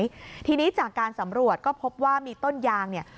ได้รับความเสียหายทีนี้จากการสำรวจก็พบว่ามีต้นยางเนี่ย